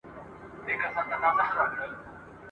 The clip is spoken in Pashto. نه پوهېږم ورکه کړې مي ده لاره !.